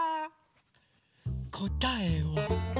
こたえは。